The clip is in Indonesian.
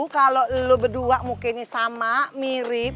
kalau lo berdua mungkin sama mirip